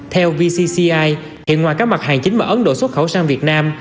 theo vcci hiện ngoài các mặt hàng chính mà ấn độ xuất khẩu sang việt nam